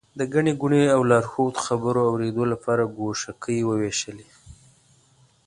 د ګڼې ګوڼې او لارښود خبرو اورېدو لپاره ګوشکۍ ووېشلې.